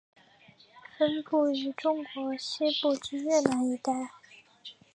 分布于中国西部至越南一带。